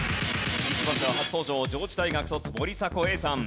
１番手は初登場上智大学卒森迫永依さん。